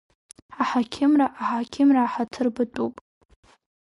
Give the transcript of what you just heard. Аҳақьымра, аҳақьымра аҳаҭыр батәуп.